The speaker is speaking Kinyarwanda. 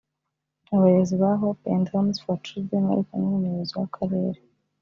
Abayobozi ba Hope and Homes for Children bari kumwe n’umuyobozi w’akarere